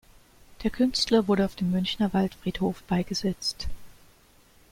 Der Künstler wurde auf dem Münchner Waldfriedhof beigesetzt.